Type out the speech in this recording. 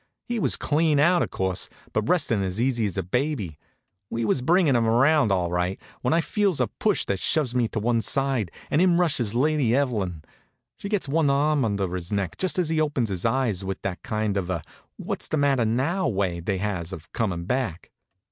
He was clean out, of course, but restin' as easy as a baby. We was bringin' him round all right, when I feels a push that shoves me to one side, and in rushes Lady Evelyn. She gets one arm under his neck just as he opens his eyes with that kind of a "What's the matter now?" way they has of comin' back.